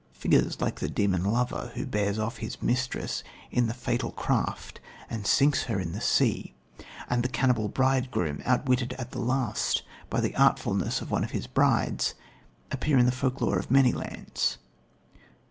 Figures like the Demon Lover, who bears off his mistress in the fatal craft and sinks her in the sea, and the cannibal bridegroom, outwitted at last by the artfulness of one of his brides, appear in the folk lore of many lands.